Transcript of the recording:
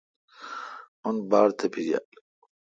اون باڑ تپیجال۔